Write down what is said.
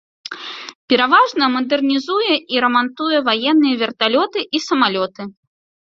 Пераважна мадэрнізуе і рамантуе ваенныя верталёты і самалёты.